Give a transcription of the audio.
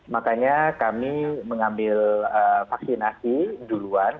makanya kami mengambil vaksinasi duluan